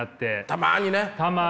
たまにね。